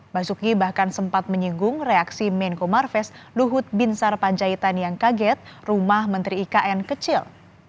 basuki bahkan sempat menyinggung reaksi menko marves luhut binsar panjaitan yang kaget rumah menteri ikn kecil